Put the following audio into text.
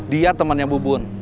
dia temannya bu bun